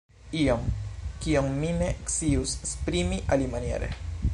Ion, kion mi ne scius esprimi alimaniere.